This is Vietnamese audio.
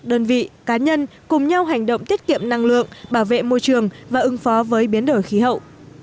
đơn vị cá nhân cùng nhau hành động tiết kiệm năng lượng bảo vệ môi trường và ứng phó với biến đổi khí hậu